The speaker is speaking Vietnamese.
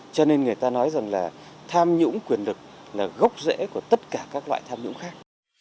cho nên người ta nói rằng là tham nhũng quyền lực là gốc rễ của tất cả các loại tham nhũng khác